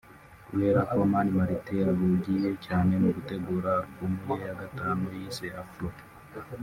Kubera ko Mani Martin ahugiye cyane mu gutegura album ye ya gatanu yise’ Afro’